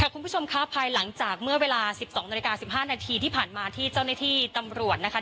คุณผู้ชมคะภายหลังจากเมื่อเวลา๑๒นาฬิกา๑๕นาทีที่ผ่านมาที่เจ้าหน้าที่ตำรวจนะคะ